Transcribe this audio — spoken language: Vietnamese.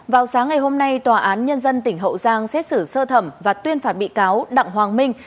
vào sáng ngày hôm nay tòa án nhân dân tỉnh hậu giang xét xử sơ thẩm và tuyên phạt bị cáo đặng hoàng minh